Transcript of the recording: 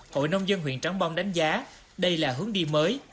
hội nông dân huyện trắng bom đánh giá đây là hướng đi mới